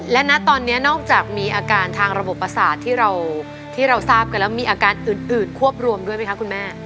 และณตอนนี้นอกจากมีอาการทางระบบประสาทที่เราทราบกันแล้วมีอาการอื่นควบรวมด้วยไหมคะคุณแม่